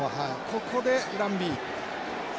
ここでランビー。